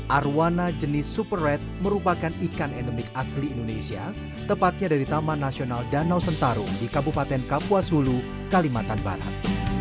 arowana jenis super red merupakan ikan endemik asli indonesia tepatnya dari taman nasional danau sentarung di kabupaten kapuasulu kalimantan barat